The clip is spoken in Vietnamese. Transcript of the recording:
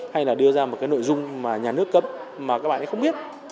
hay là đưa ra một cái nội dung mà nhà nước cấm mà các bạn ấy không biết